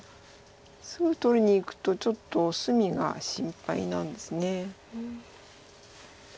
すぐ取りにいくとちょっと隅が心配なんです。